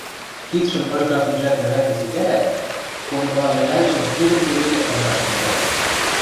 кидшӹм ыжга пинжӓк лӹвӓкӹ цикӓлят, конгылалӹвӓлжӹм кудырге веле ыдыраш тӹнгӓльӹ.